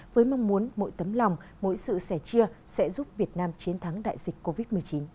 với mong muốn mỗi tấm lòng mỗi sự sẻ chia sẽ giúp việt nam chiến thắng đại dịch covid một mươi chín